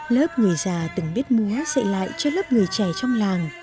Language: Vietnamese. lớp người già từng biết múa dạy lại cho lớp người trẻ trong làng